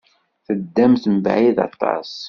Teddamt mebɛid aṭas.